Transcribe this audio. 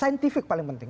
saintifik paling penting